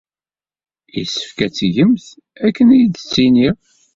Yessefk ad tgem akken ay d-ttiniɣ.